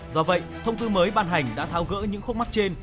do vậy thông tư mới ban hành đã tháo gỡ những khúc mắt trên